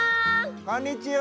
こんにちは！